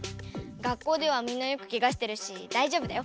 学校ではみんなよくケガしてるしだいじょうぶだよ。